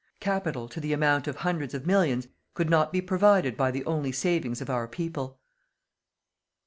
Capital, to the amount of hundreds of millions, could not be provided by the only savings of our people.